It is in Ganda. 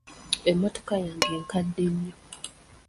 Emmotoka yange nkadde nnyo.